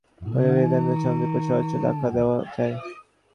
মজুরি নির্ধারণের এই পদ্ধতিকে পশু অ্যাপ্রোচ আখ্যা দেওয়া যায়।